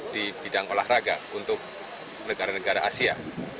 di bidang olahraga untuk negara negara asia